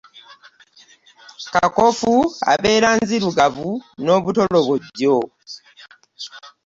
Kakofu ebeera nzirugavu n'obutolobojjo.